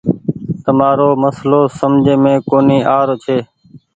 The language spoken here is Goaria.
تمآرو مسلو سمجهي مين ڪونيٚ آروڇي۔